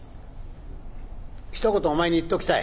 「ひと言お前に言っときたい」。